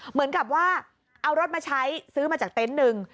เหมือนกับว่าเอารถมาใช้ซื้อมาจากเต็นต์หนึ่ง